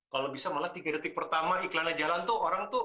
kalau bisa malah tiga detik pertama iklannya jalan tuh orang tuh